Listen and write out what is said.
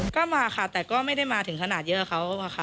ก็มาค่ะแต่ก็ไม่ได้มาถึงขนาดเยอะเขาอะค่ะ